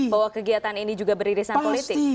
bahwa kegiatan ini juga beririsan politik